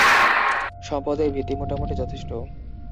সম্পদের ভিত্তি মোটামুটি যথেষ্ট।